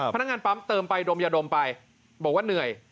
พนักงานปั๊มเติมไปดมยาดมไปบอกว่าเหนื่อย